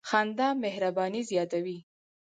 • خندا مهرباني زیاتوي.